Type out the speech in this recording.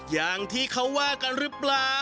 อย่างที่เขาว่ากันหรือเปล่า